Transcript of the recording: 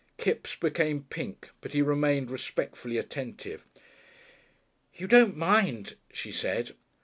Kipps became pink, but he remained respectfully attentive. "You don't mind?" she said.